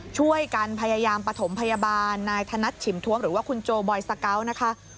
ช่วยกันพยายามปฐมพยาบาลนายธนัดฉิมท้วมหรือว่าคุณโจบอยสเกาะนะคะ